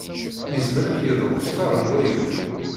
Yezmer ad k-yeḍru kter n waya.